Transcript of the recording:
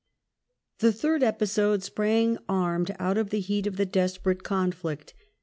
The third episode sprang armed out of the heat of the desperate conflict.